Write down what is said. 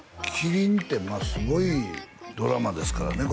「麒麟」ってすごいドラマですからね